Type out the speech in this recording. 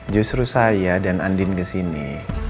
justru saya dan andin kesini